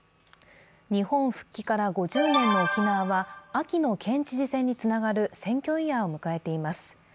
日本復帰から５０年の沖縄は秋の県知事選につながる選挙イヤーを迎えています。